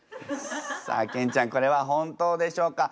さあケンちゃんこれは本当でしょうか？